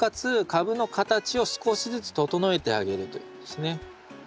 株の形を少しずつ整えてあげるということですね。